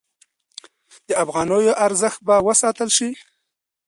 د افغانیو ارزښت به وساتل شي؟